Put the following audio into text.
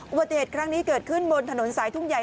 อุบัติเหตุครั้งนี้เกิดขึ้นบนถนนสายทุ่งใหญ่